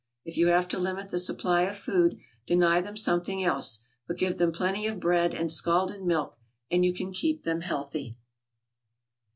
If you have to limit the supply of food, deny them something else, but give them plenty of bread and scalded milk, and you can keep them healthy.